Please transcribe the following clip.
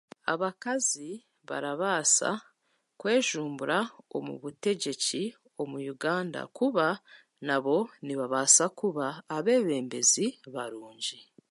abakazi barabaasa kwejumbira omu butegyeki omu Uganda kuba nabo nibabaasa kuba abeebembezi barungi.